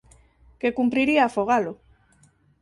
Que cumpriría afogalo.